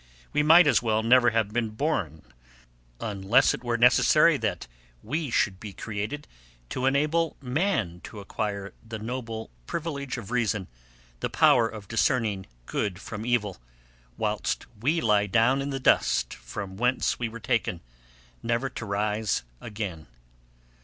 We might as well never have been born, unless it were necessary that we should be created to enable man to acquire the noble privilege of reason, the power of discerning good from evil, whilst we lie down in the dust from whence we were taken, never to rise again.